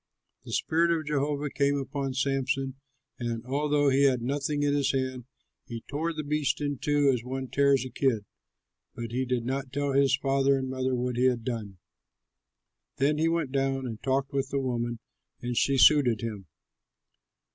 The spirit of Jehovah came upon Samson and, although he had nothing in his hand, he tore the beast in two as one tears a kid. But he did not tell his father and mother what he had done. Then he went down and talked with the woman, and she suited him.